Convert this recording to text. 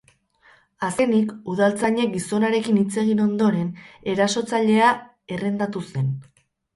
Azkenik, udaltzainek gizonarekin hitz egin ondoren, erasotzailea errendatu zen.